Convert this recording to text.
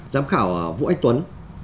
giám khảo vũ anh tuấn